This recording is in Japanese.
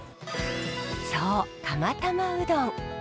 そう釜玉うどん。